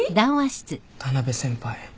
田辺先輩